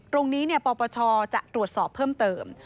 ตรงนี้ปปชจะตรวจสอบเพิ่มเติม